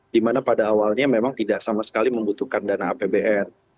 dimana pada awalnya memang tidak sama sekali membutuhkan dana apbn